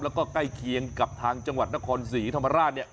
แล้วก็ใกล้เคียงกับทางจังหวัดนครศรีธรรมราชเนี่ย